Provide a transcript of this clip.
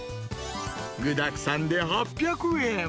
具だくさんで８００円。